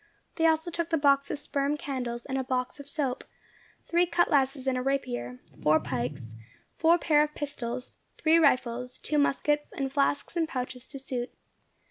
They also took the box of sperm candles and a box of soap; three cutlasses and a rapier, four pikes, four pair of pistols, three rifles, two muskets, and flasks and pouches to suit.